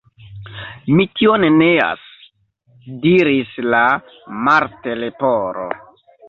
"Mi tion neas," diris la Martleporo.